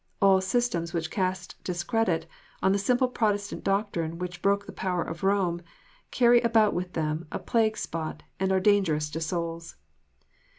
All systems which cast discredit on the simple Protestant doctrine which broke the power of Borne, carry about with them a plague spot, and are dangerous to souls.